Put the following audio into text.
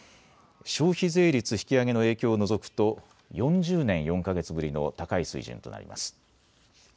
消費税率引き上げの影響を除くと４０年４か月ぶりの高い水準となります。